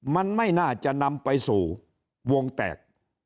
มันไม่น่าจะนำไปสู่วงแตก